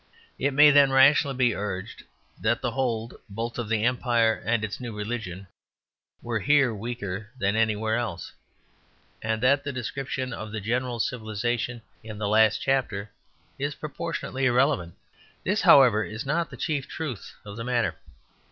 It may then rationally be urged that the hold both of the Empire and its new religion were here weaker than elsewhere, and that the description of the general civilization in the last chapter is proportionately irrelevant. This, however, is not the chief truth of the matter.